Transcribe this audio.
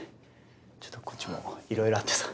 ちょっとこっちもいろいろあってさ。